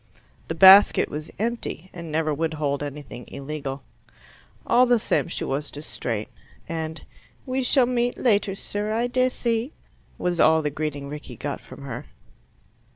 The basket was empty, and never would hold anything illegal. All the same she was distrait, and "We shall meet later, sir, I dessy," was all the greeting Rickie got from her.